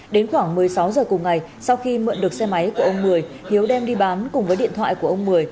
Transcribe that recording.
đến khoảng một mươi sáu giờ cùng ngày sau khi mượn được xe máy của ông một mươi hiếu đem đi bán cùng với điện thoại của ông một mươi